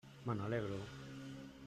Me n'alegro.